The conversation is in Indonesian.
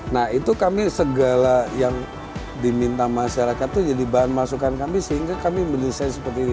nah itu kami segala yang diminta masyarakat itu jadi bahan masukan kami sehingga kami mendesain seperti ini